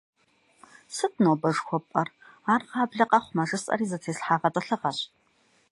Сыт ныбэ жыхуэпӏэр? Ар гъаблэ къэхъумэ жысӏэри зэтеслъхьа гъэтӏылъыгъэщ.